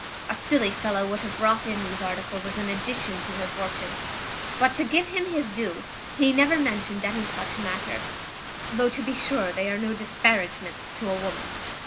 A silly fellow would have brought in these articles as an addition to her fortune; but, to give him his due, he never mentioned any such matter; though to be sure they are no disparagements to a woman."